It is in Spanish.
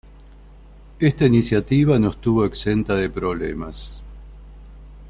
Esta iniciativa no estuvo exenta de problemas.